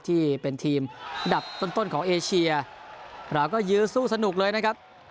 ที่เป็นทีมดับต้นต้นของเอเชียเราก็ยื้อสู้สนุกเลยนะครับ